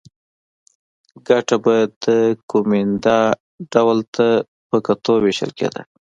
ګټه به د کومېندا ډول ته په کتو وېشل کېده